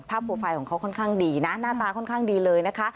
โปรไฟล์ของเขาค่อนข้างดีนะหน้าตาค่อนข้างดีเลยนะคะ